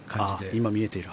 今、見えている。